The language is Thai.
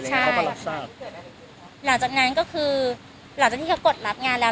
ใช่หลังจากนั้นก็คือหลังจากที่เขากดรับงานแล้ว